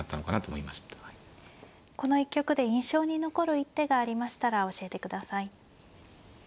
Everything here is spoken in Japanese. この一局で印象に残る一手がありましたら教えてください。